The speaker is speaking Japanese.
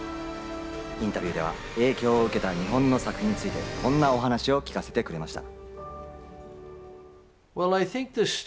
インタビューでは影響を受けた日本の作品について、こんなお話を聞かせてくれました。